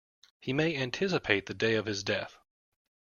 He may anticipate the day of his death.